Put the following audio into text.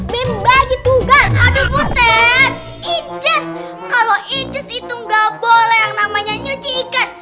bembagi tugas aduh putri kalau itu nggak boleh yang namanya nyuci ikan